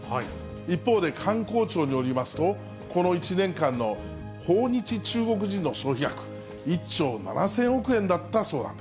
一方で観光庁によりますと、この１年間の訪日中国人の消費額、１兆７０００億円？